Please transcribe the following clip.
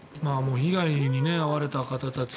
被害に遭われた方たち